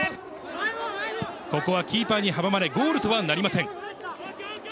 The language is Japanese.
ここはキーパーに阻まれ、ゴールとはなりません。